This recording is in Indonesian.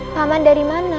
paman dari mana